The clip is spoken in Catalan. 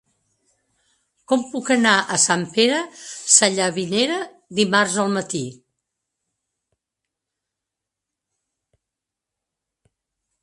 Com puc anar a Sant Pere Sallavinera dimarts al matí?